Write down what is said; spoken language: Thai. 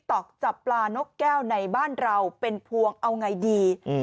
ต๊อกจับปลานกแก้วในบ้านเราเป็นพวงเอาไงดี